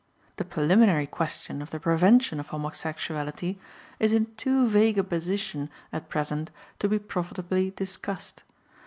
The preliminary question of the prevention of homosexuality is in too vague a position at present to be profitably discussed.